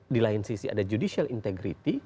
di lain sisi ada judicial integrity